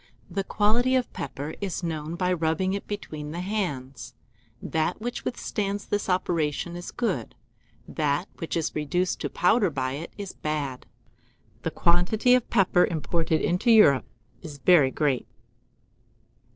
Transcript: The quality of pepper is known by rubbing it between the hands: that which withstands this operation is good, that which is reduced to powder by it is bad. The quantity of pepper imported into Europe is very great.